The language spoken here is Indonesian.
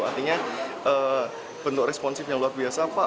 artinya bentuk responsif yang luar biasa pak